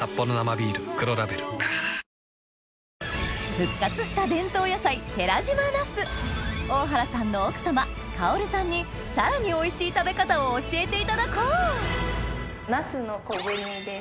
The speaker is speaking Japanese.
復活した伝統野菜寺島ナス大原さんの奥様薫さんにさらにおいしい食べ方を教えていただこうナスの昆布煮です。